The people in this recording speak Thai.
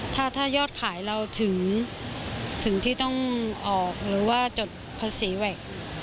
ถ้ายอดขายเราถึงที่ต้องออกหรือว่าจดภาษีแวค